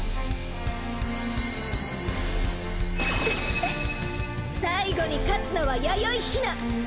ウフッ最後に勝つのは弥生ひな！